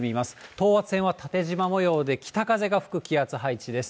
等圧線は縦じま模様で、北風が吹く気圧配置です。